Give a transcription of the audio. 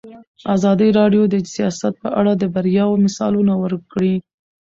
ازادي راډیو د سیاست په اړه د بریاوو مثالونه ورکړي.